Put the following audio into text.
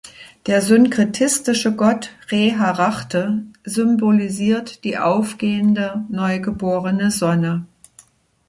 Der synkretistische Gott Re-Harachte symbolisiert die aufgehende, neu geborene Sonne.